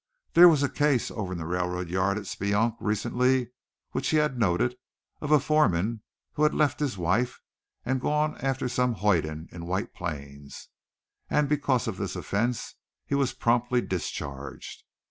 There was a case over in the railroad yard at Speonk recently which he had noted, of a foreman who had left his wife and gone after some hoyden in White Plains, and because of this offense he was promptly discharged.